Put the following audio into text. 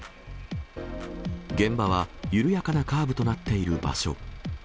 現場は緩やかなカーブとなっている場所。